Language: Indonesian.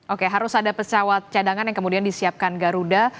oke harus ada pesawat cadangan yang kemudian disiapkan garuda